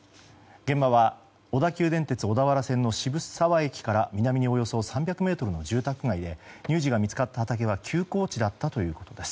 現場は小田急電鉄小田原線の渋沢駅から南におよそ３００ｍの住宅街で乳児が見つかった畑は休耕地だったということです。